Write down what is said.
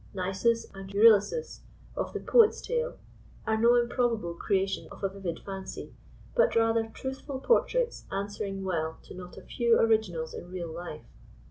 Nisus and Euryalus of the poet's tale are no improhahle crea tions of a vivid fancy, hut rather truthful portraits answering well to not a few originals in real life.